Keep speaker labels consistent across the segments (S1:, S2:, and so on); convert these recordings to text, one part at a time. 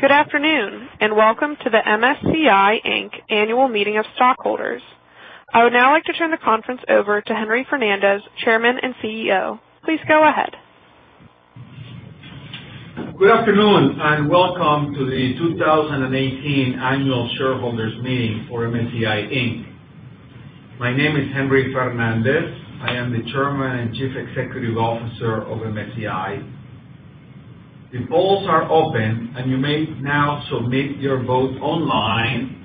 S1: Good afternoon, and welcome to the MSCI Inc. annual meeting of stockholders. I would now like to turn the conference over to Henry Fernandez, Chairman and CEO. Please go ahead.
S2: Good afternoon, and welcome to the 2018 annual shareholders meeting for MSCI Inc. My name is Henry Fernandez. I am the Chairman and Chief Executive Officer of MSCI. The polls are open, and you may now submit your vote online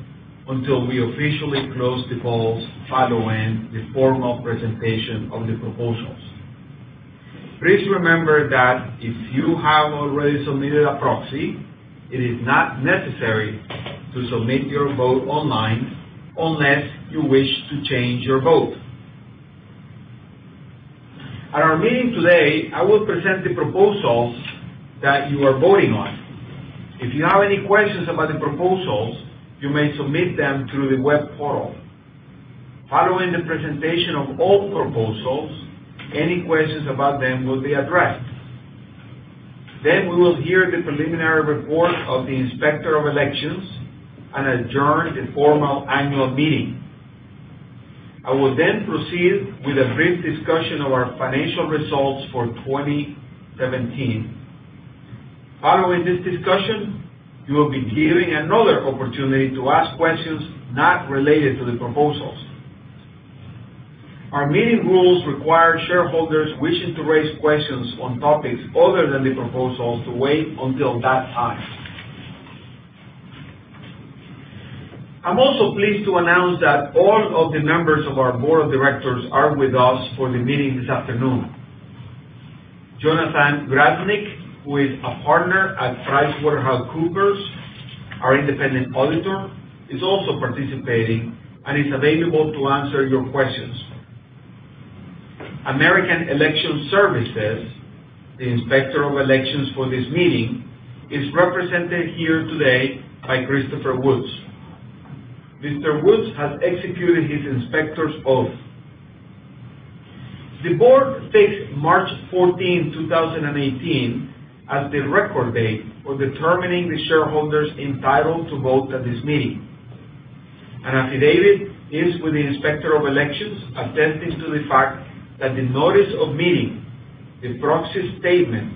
S2: until we officially close the polls following the formal presentation of the proposals. Please remember that if you have already submitted a proxy, it is not necessary to submit your vote online unless you wish to change your vote. At our meeting today, I will present the proposals that you are voting on. If you have any questions about the proposals, you may submit them through the web portal. Following the presentation of all proposals, any questions about them will be addressed. We will hear the preliminary report of the Inspector of Elections and adjourn the formal annual meeting. I will then proceed with a brief discussion of our financial results for 2017. Following this discussion, you will be given another opportunity to ask questions not related to the proposals. Our meeting rules require shareholders wishing to raise questions on topics other than the proposals to wait until that time. I'm also pleased to announce that all of the members of our board of directors are with us for the meeting this afternoon. Jonathan Grodnick, who is a partner at PricewaterhouseCoopers, our independent auditor, is also participating and is available to answer your questions. American Election Services, the Inspector of Elections for this meeting, is represented here today by Christopher Woods. Mr. Woods has executed his inspector's oath. The board fixed March 14, 2018, as the record date for determining the shareholders entitled to vote at this meeting. An affidavit is with the Inspector of Elections, attesting to the fact that the notice of meeting, the proxy statement,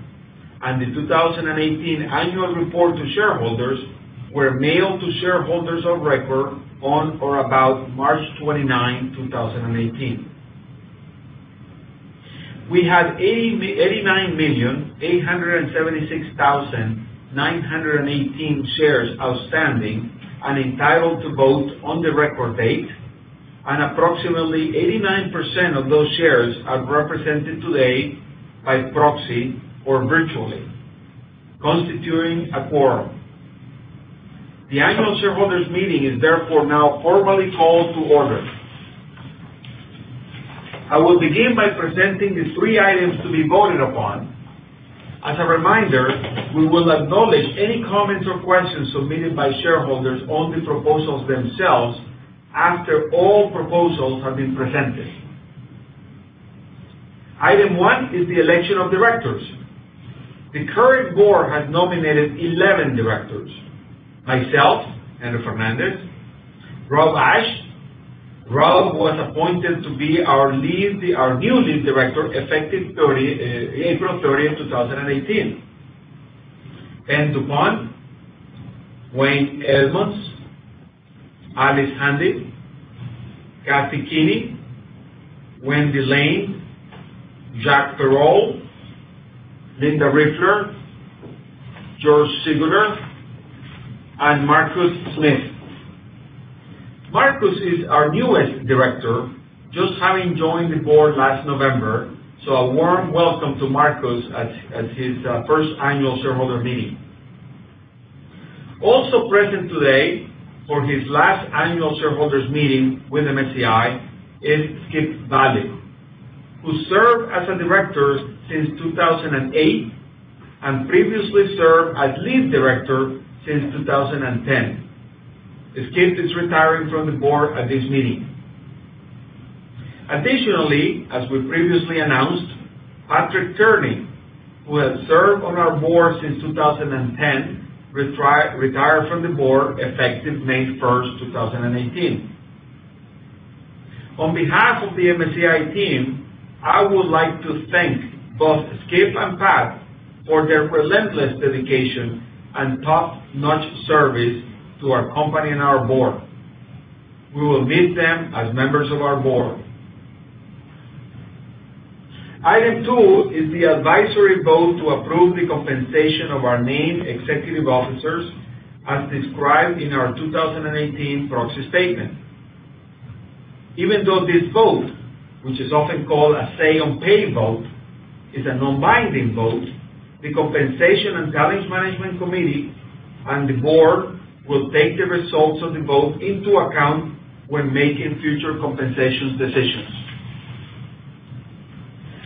S2: and the 2018 annual report to shareholders were mailed to shareholders of record on or about March 29, 2018. We had 89,876,918 shares outstanding and entitled to vote on the record date, and approximately 89% of those shares are represented today by proxy or virtually, constituting a quorum. The annual shareholders meeting is therefore now formally called to order. I will begin by presenting the three items to be voted upon. As a reminder, we will acknowledge any comments or questions submitted by shareholders on the proposals themselves after all proposals have been presented. Item one is the election of directors. The current board has nominated 11 directors. Myself, Henry Fernandez, Rob Ashe. Rob was appointed to be our new Lead Director effective April 30, 2018. Ben Dupont, Wayne A. Edmunds, Alice Handy, Kathy Kinney, Wendy Lane, Jack Perold, Linda Riefler, George Siguler, and Marcus Smith. Marcus is our newest director, just having joined the board last November. A warm welcome to Marcus at his first annual shareholder meeting. Also present today for his last annual shareholders meeting with MSCI is Skip Vallee, who served as a director since 2008 and previously served as lead director since 2010. Skip is retiring from the board at this meeting. Additionally, as we previously announced, Patrick Tierney, who had served on our board since 2010, retired from the board effective May 1st, 2018. On behalf of the MSCI team, I would like to thank both Skip and Pat for their relentless dedication and top-notch service to our company and our board. We will miss them as members of our board. Item two is the advisory vote to approve the compensation of our named executive officers as described in our 2018 proxy statement. Even though this vote, which is often called a say on pay vote, is a non-binding vote, the Compensation and Governance Management Committee and the board will take the results of the vote into account when making future compensation decisions.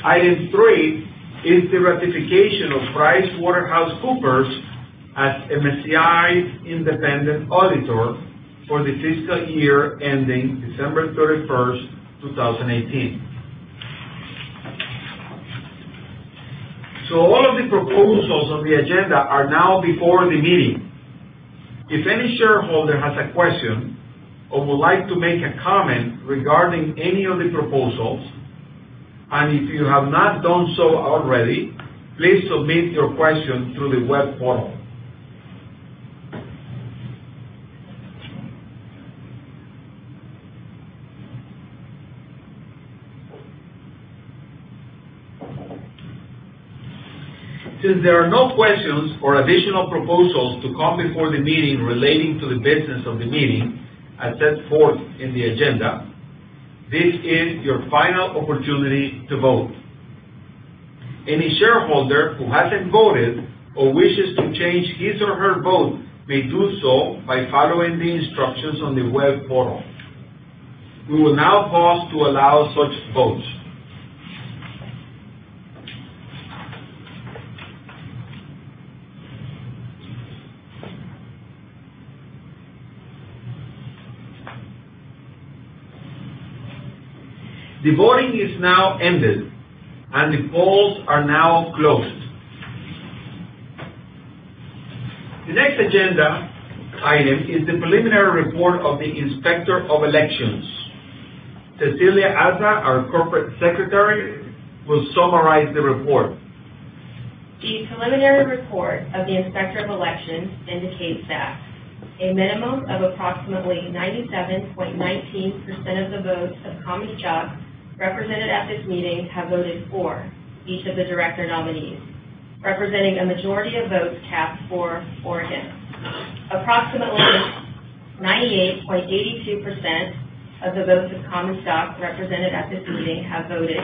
S2: Item three is the ratification of PricewaterhouseCoopers as MSCI's independent auditor for the fiscal year ending December 31st, 2018. All of the proposals on the agenda are now before the meeting. If any shareholder has a question or would like to make a comment regarding any of the proposals, and if you have not done so already, please submit your question through the web portal. Since there are no questions or additional proposals to come before the meeting relating to the business of the meeting as set forth in the agenda, this is your final opportunity to vote. Any shareholder who hasn't voted or wishes to change his or her vote may do so by following the instructions on the web portal. We will now pause to allow such votes. The voting is now ended, and the polls are now closed. The next agenda item is the preliminary report of the Inspector of Elections. Cecilia Aza, our Corporate Secretary, will summarize the report.
S3: The preliminary report of the Inspector of Elections indicates that a minimum of approximately 97.19% of the votes of common stock represented at this meeting have voted for each of the director nominees, representing a majority of votes cast for or against. Approximately 98.82% of the votes of common stock represented at this meeting have voted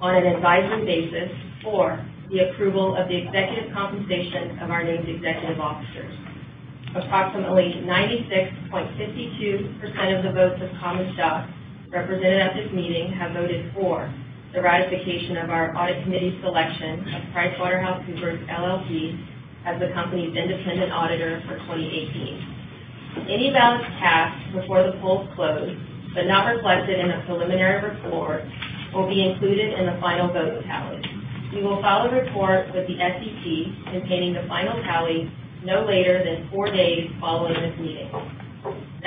S3: on an advisory basis for the approval of the executive compensation of our named executive officers. Approximately 96.52% of the votes of common stock represented at this meeting have voted for the ratification of our Audit Committee selection of PricewaterhouseCoopers LLP as the company's independent auditor for 2018. Any ballots cast before the polls closed but not reflected in a preliminary report will be included in the final vote tally. We will file a report with the SEC containing the final tally no later than four days following this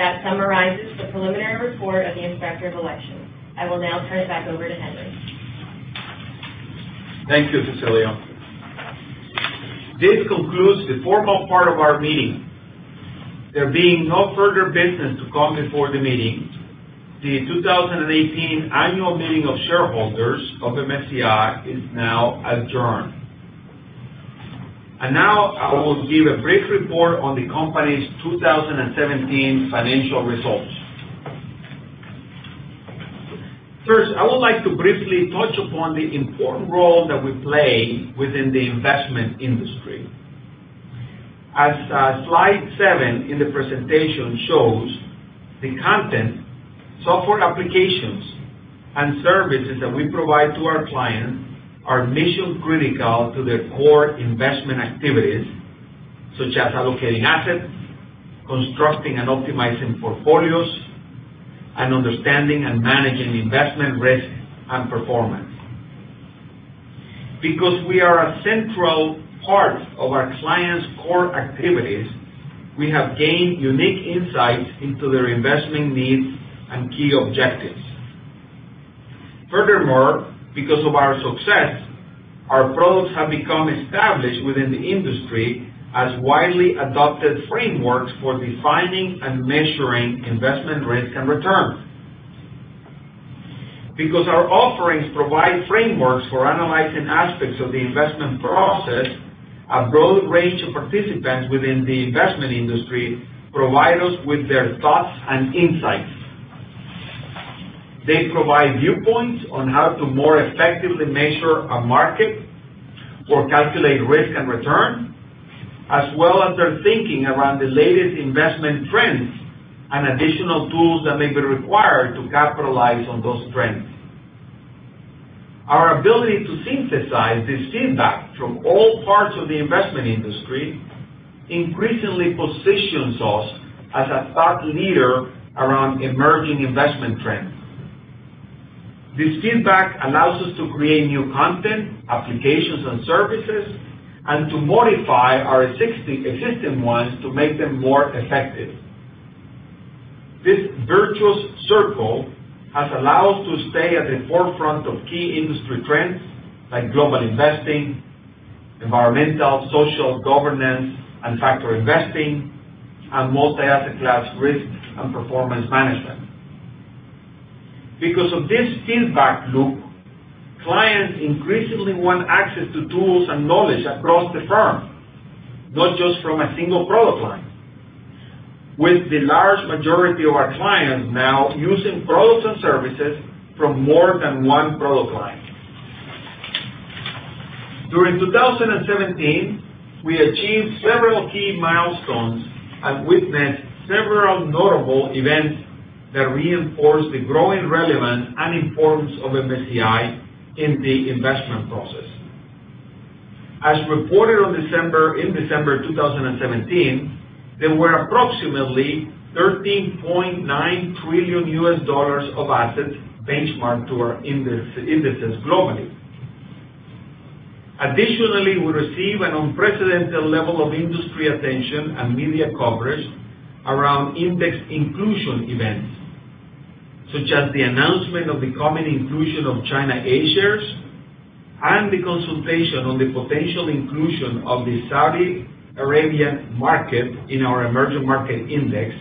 S3: meeting. That summarizes the preliminary report of the Inspector of Elections. I will now turn it back over to Henry.
S2: Thank you, Cecilia. This concludes the formal part of our meeting. There being no further business to come before the meeting, the 2018 Annual Meeting of Shareholders of MSCI is now adjourned. Now I will give a brief report on the company's 2017 financial results. First, I would like to briefly touch upon the important role that we play within the investment industry. As slide seven in the presentation shows, the content, software applications, and services that we provide to our clients are mission-critical to their core investment activities, such as allocating assets, constructing and optimizing portfolios, and understanding and managing investment risk and performance. Because we are a central part of our clients' core activities, we have gained unique insights into their investment needs and key objectives. Furthermore, because of our success, our products have become established within the industry as widely adopted frameworks for defining and measuring investment risk and return. Because our offerings provide frameworks for analyzing aspects of the investment process, a broad range of participants within the investment industry provide us with their thoughts and insights. They provide viewpoints on how to more effectively measure a market or calculate risk and return, as well as their thinking around the latest investment trends and additional tools that may be required to capitalize on those trends. Our ability to synthesize this feedback from all parts of the investment industry increasingly positions us as a thought leader around emerging investment trends. This feedback allows us to create new content, applications and services, and to modify our existing ones to make them more effective. This virtuous circle has allowed us to stay at the forefront of key industry trends like global investing, environmental, social, governance, and factor investing, and multi-asset class risk and performance management. Because of this feedback loop, clients increasingly want access to tools and knowledge across the firm, not just from a single product line, with the large majority of our clients now using products and services from more than one product line. During 2017, we achieved several key milestones and witnessed several notable events that reinforce the growing relevance and importance of MSCI in the investment process. As reported in December 2017, there were approximately $13.9 trillion of assets benchmarked to our indices globally. Additionally, we receive an unprecedented level of industry attention and media coverage around index inclusion events, such as the announcement of the coming inclusion of China A shares, and the consultation on the potential inclusion of the Saudi Arabian market in our emerging market index,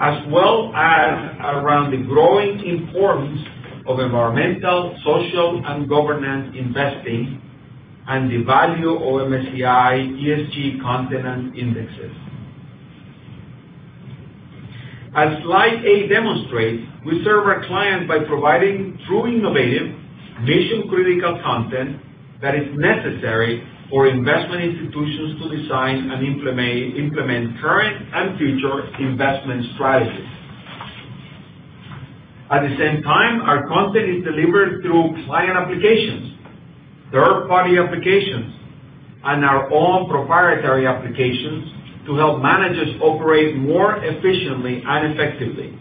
S2: as well as around the growing importance of environmental, social, and governance investing, and the value of MSCI ESG content indexes. As Slide A demonstrates, we serve our clients by providing true innovative, mission-critical content that is necessary for investment institutions to design and implement current and future investment strategies. At the same time, our content is delivered through client applications, third-party applications, and our own proprietary applications to help managers operate more efficiently and effectively.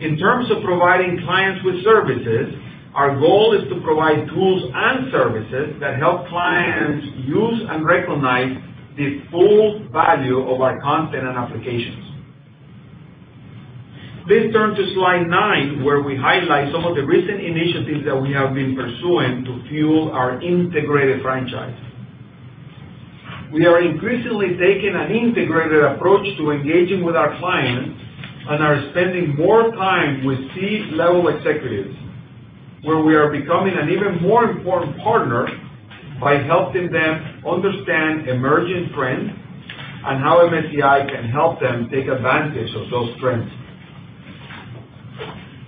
S2: In terms of providing clients with services, our goal is to provide tools and services that help clients use and recognize the full value of our content and applications. Please turn to Slide nine, where we highlight some of the recent initiatives that we have been pursuing to fuel our integrated franchise. We are increasingly taking an integrated approach to engaging with our clients and are spending more time with C-level executives, where we are becoming an even more important partner by helping them understand emerging trends and how MSCI can help them take advantage of those trends.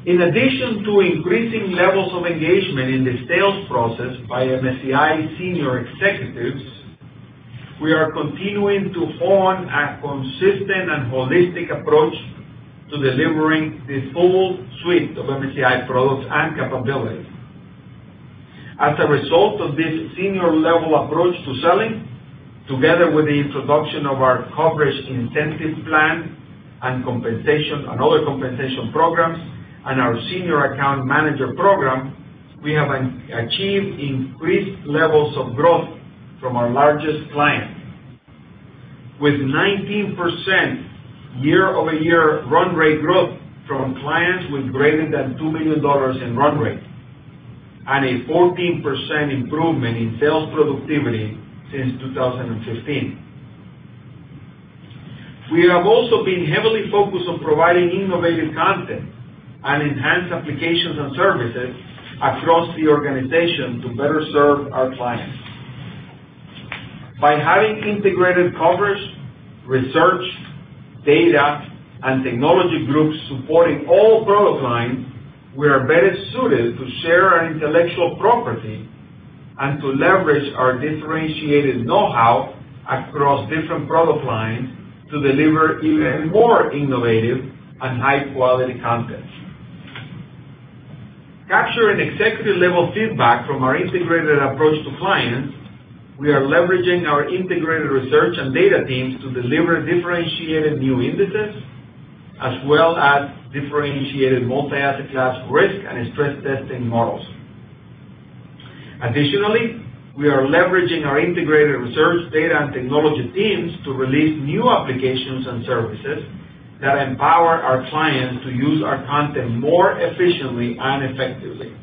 S2: In addition to increasing levels of engagement in the sales process by MSCI senior executives, we are continuing to hone a consistent and holistic approach to delivering the full suite of MSCI products and capabilities. As a result of this senior-level approach to selling, together with the introduction of our Coverage Incentive Plan and other compensation programs, and our Senior Account Manager Program, we have achieved increased levels of growth from our largest client. With 19% year-over-year run rate growth from clients with greater than $2 million in run rate, and a 14% improvement in sales productivity since 2015. We have also been heavily focused on providing innovative content and enhanced applications and services across the organization to better serve our clients. By having integrated coverage, research, data, and technology groups supporting all product lines, we are better suited to share our intellectual property and to leverage our differentiated know-how across different product lines to deliver even more innovative and high-quality content. Capturing executive-level feedback from our integrated approach to clients, we are leveraging our integrated research and data teams to deliver differentiated new indices, as well as differentiated multi-asset class risk and stress testing models. Additionally, we are leveraging our integrated research data and technology teams to release new applications and services that empower our clients to use our content more efficiently and effectively.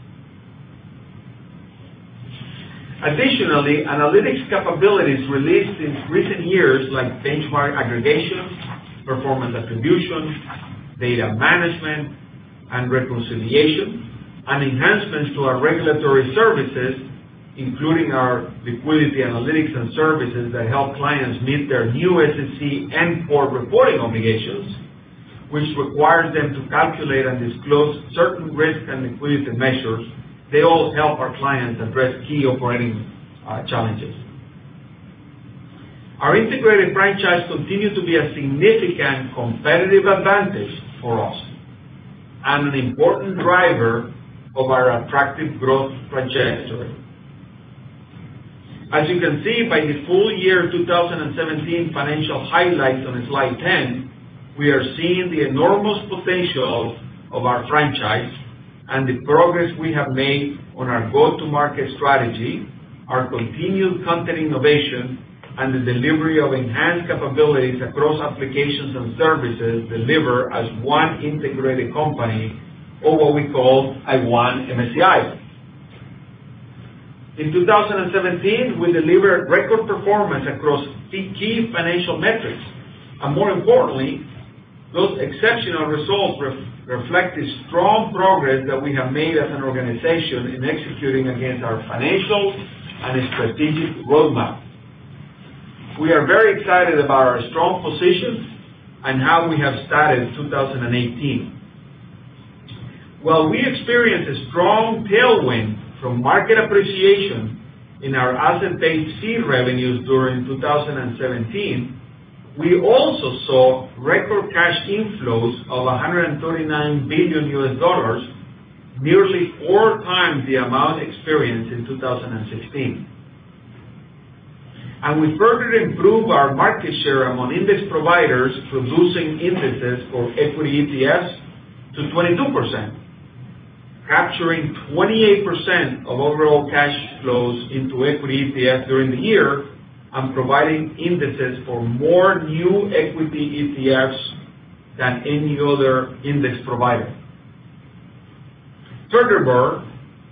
S2: Additionally, analytics capabilities released in recent years, like benchmark aggregation, performance attribution, data management, and reconciliation, and enhancements to our regulatory services, including our liquidity analytics and services that help clients meet their new SEC Form N-PORT reporting obligations, which requires them to calculate and disclose certain risk and liquidity measures. They all help our clients address key operating challenges. Our integrated franchise continues to be a significant competitive advantage for us and an important driver of our attractive growth trajectory. As you can see by the full year 2017 financial highlights on Slide 10, we are seeing the enormous potential of our franchise and the progress we have made on our go-to-market strategy, our continued content innovation, and the delivery of enhanced capabilities across applications and services delivered as one integrated company or what we call One MSCI. In 2017, we delivered record performance across key financial metrics. More importantly, those exceptional results reflect the strong progress that we have made as an organization in executing against our financial and strategic roadmap. We are very excited about our strong position and how we have started 2018. While we experienced a strong tailwind from market appreciation in our asset-based fee revenues during 2017, we also saw record cash inflows of $139 billion, nearly four times the amount experienced in 2016. We further improved our market share among index providers producing indices for equity ETFs to 22%, capturing 28% of overall cash flows into equity ETFs during the year, and providing indices for more new equity ETFs than any other index provider. Furthermore,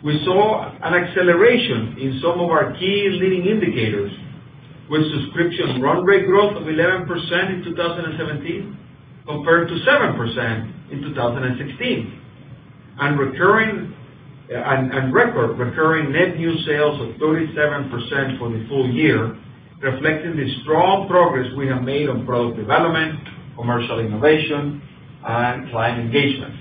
S2: we saw an acceleration in some of our key leading indicators with subscription run rate growth of 11% in 2017 compared to 7% in 2016. Record recurring net new sales of 37% for the full year, reflecting the strong progress we have made on product development, commercial innovation, and client engagement.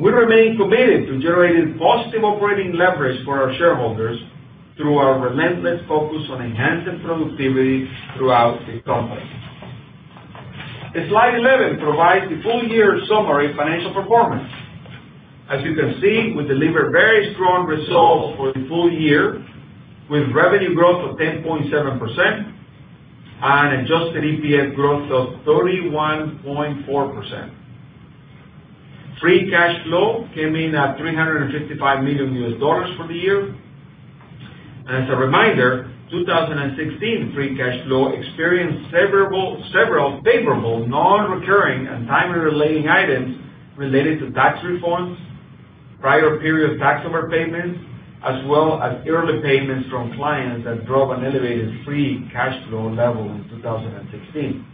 S2: We remain committed to generating positive operating leverage for our shareholders through our relentless focus on enhancing productivity throughout the company. Slide 11 provides the full year summary financial performance. As you can see, we delivered very strong results for the full year, with revenue growth of 10.7% and adjusted EPS growth of 31.4%. Free cash flow came in at $355 million for the year. As a reminder, 2016 free cash flow experienced several favorable non-recurring and timing-relating items related to tax refunds, prior period tax overpayments, as well as early payments from clients that drove an elevated free cash flow level in 2016.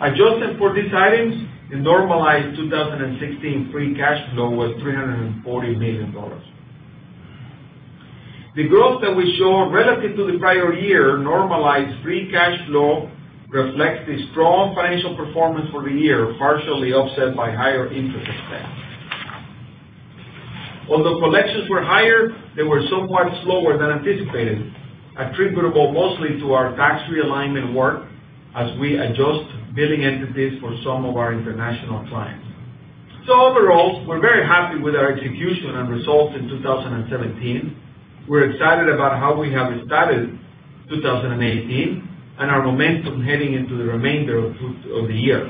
S2: Adjusted for these items, the normalized 2016 free cash flow was $340 million. The growth that we show relative to the prior year normalized free cash flow reflects the strong financial performance for the year, partially offset by higher interest expense. Although collections were higher, they were somewhat slower than anticipated, attributable mostly to our tax realignment work as we adjust billing entities for some of our international clients. Overall, we're very happy with our execution and results in 2017. We're excited about how we have started 2018 and our momentum heading into the remainder of the year.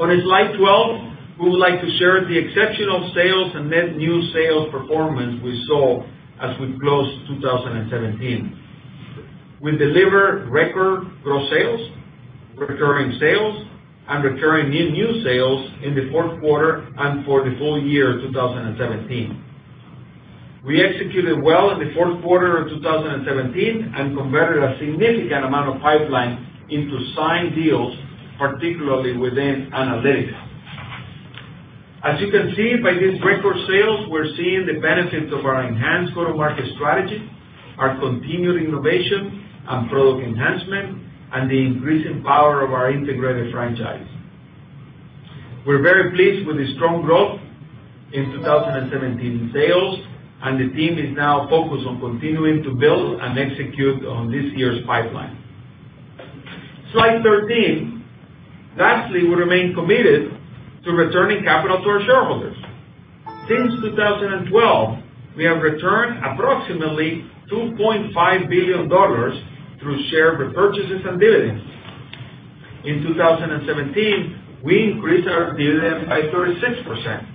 S2: On Slide 12, we would like to share the exceptional sales and net new sales performance we saw as we closed 2017. We delivered record gross sales, recurring sales, and recurring net new sales in the fourth quarter and for the full year 2017. We executed well in the fourth quarter of 2017 and converted a significant amount of pipeline into signed deals, particularly within analytics. As you can see by these record sales, we're seeing the benefits of our enhanced go-to-market strategy, our continued innovation and product enhancement, and the increasing power of our integrated franchise. We're very pleased with the strong growth in 2017 sales, and the team is now focused on continuing to build and execute on this year's pipeline. Slide 13. Lastly, we remain committed to returning capital to our shareholders. Since 2012, we have returned approximately $2.5 billion through share repurchases and dividends. In 2017, we increased our dividend by 36%.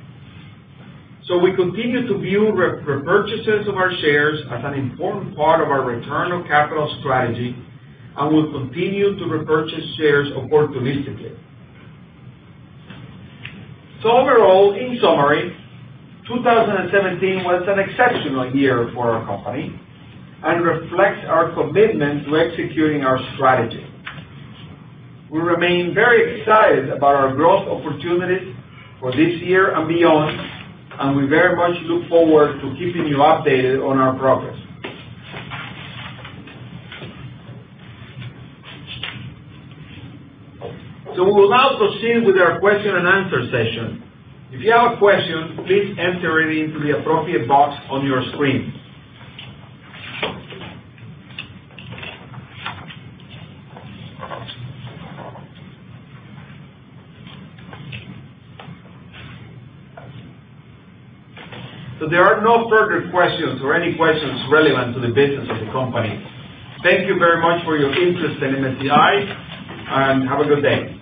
S2: We continue to view repurchases of our shares as an important part of our return on capital strategy and will continue to repurchase shares opportunistically. Overall, in summary, 2017 was an exceptional year for our company and reflects our commitment to executing our strategy. We remain very excited about our growth opportunities for this year and beyond, and we very much look forward to keeping you updated on our progress. We will now proceed with our question and answer session. If you have a question, please enter it into the appropriate box on your screen. There are no further questions or any questions relevant to the business of the company. Thank you very much for your interest in MSCI, and have a good day.